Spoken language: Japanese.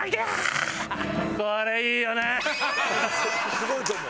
すごいと思う。